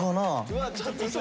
うわちょっと！